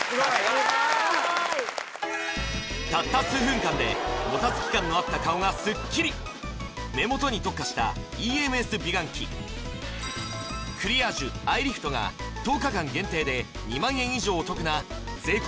さすがたった数分間でもたつき感のあった顔がスッキリ目元に特化したＥＭＳ美顔器クリアージュアイリフトが１０日間限定で２万円以上お得な税込